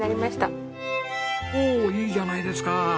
おおいいじゃないですか！